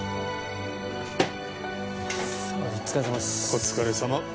お疲れさまです。